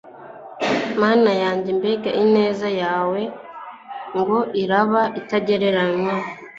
Mana yanjye mbega ineza yawe ngo iraba intagereranywa